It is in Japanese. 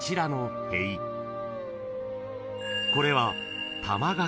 ［これは］